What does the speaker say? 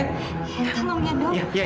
tolong ya dok